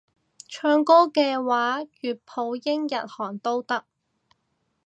唱歌嘅話粵普英日韓都得